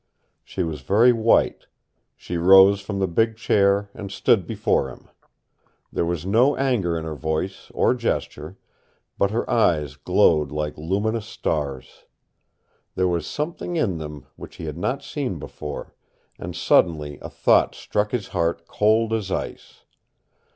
She was very white. She rose from the big chair and stood before him. There was no anger in her voice or gesture, but her eyes glowed like luminous stars. There was something in them which he had not seen before, and suddenly a thought struck his heart cold as ice.